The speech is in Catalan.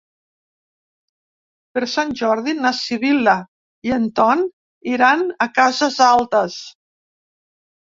Per Sant Jordi na Sibil·la i en Ton iran a Cases Altes.